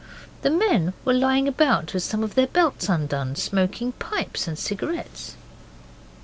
The men were lying about, with some of their belts undone, smoking pipes and cigarettes.